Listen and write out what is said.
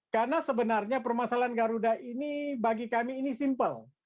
karena sebenarnya permasalahan garuda ini bagi kami ini simple